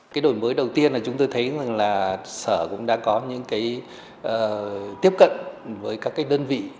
cái đổi mới đầu tiên là chúng tôi thấy rằng là sở cũng đã có những cái tiếp cận với các cái đơn vị